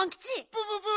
プププ！